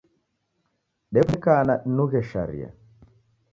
Dekundikana dinughe sharia